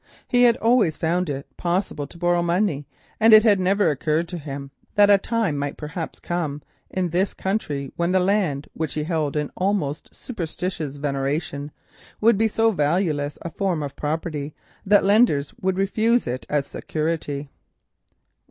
He had always found it possible to borrow money, and it had never occurred to him that a time might perhaps come in this country, when the land, which he held in almost superstitious veneration, would be so valueless a form of property that lenders would refuse it as security.